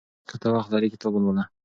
که ته وخت لرې کتاب ولوله.